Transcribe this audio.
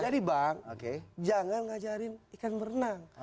jadi bang jangan mengajari ikan berenang